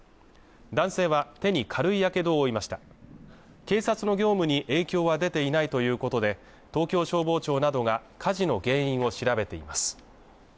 男性は手に軽いやけどを負いました警察の業務に影響は出ていないということで東京消防庁などが火事の原因を調べています